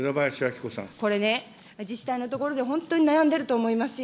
これね、自治体の所で本当に悩んでいると思いますよ。